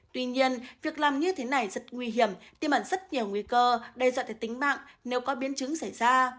tuy nhiên việc làm như thế này rất nguy hiểm tiêm ẩn rất nhiều nguy cơ đe dọa tới tính mạng nếu có biến chứng xảy ra